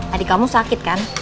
adik kamu sakit kan